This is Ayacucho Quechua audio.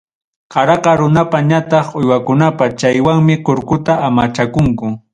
Qaraqa runapam ñataq uywakunapa, chaywanmi kurkuta amachakunku.